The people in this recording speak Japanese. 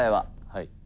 はい。